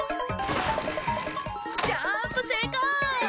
ジャンプせいこう！